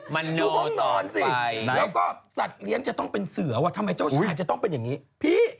มันดูห้องนอนสิแล้วก็สัตว์เลี้ยงจะต้องเป็นเสือว่ะทำไมเจ้าชายจะต้องเป็นอย่างนี้พี่